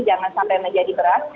jangan sampai menjadi berat